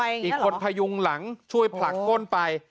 อีกคนพยุงหลังช่วยผลักก้นไป